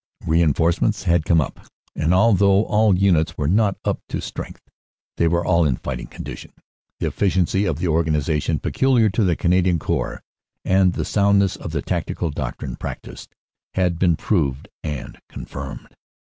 "Reinforcements had come up, and although all units were not up to strength, they were all in fighting condition. The efficiency of the organization peculiar to the Canadian Corps, and the soundness of the tactical doctrine practised, had been proved and confirmed.